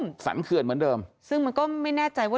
ที่สรรเขือญเหมือนเดิม